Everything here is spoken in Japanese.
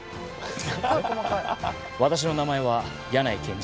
私の名前は柳井賢治。